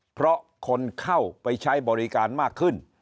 เพราะคนเข้าไปใช้บริการมากขึ้น